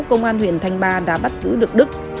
công an huyện thanh ba đã bắt giữ được đức